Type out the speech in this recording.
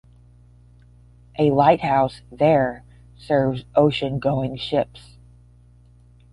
A lighthouse there serves oceangoing ships.